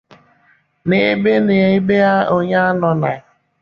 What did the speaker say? n'ebe na ebe onye anọna.